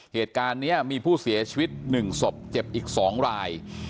เหตุการณ์นี้มีผู้เสียชีวิต๑ศพเจ็บอีก๒ราย